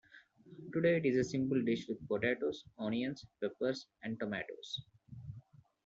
Today it is a simple dish with potatoes, onions, peppers, and tomatoes.